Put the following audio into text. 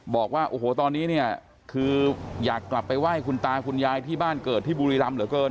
บอกว่าโอ้โหตอนนี้เนี่ยคืออยากกลับไปไหว้คุณตาคุณยายที่บ้านเกิดที่บุรีรำเหลือเกิน